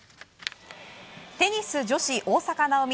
テニス女子、大坂なおみ。